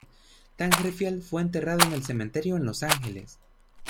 Dangerfield fue enterrado en el cementerio en Los Ángeles.